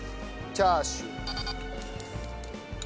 チャーシュー。